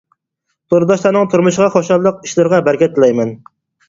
تورداشلارنىڭ تۇرمۇشىغا خۇشاللىق، ئىشلىرىغا بەرىكەت تىلەيمەن!